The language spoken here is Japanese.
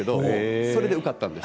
それで受かったんです。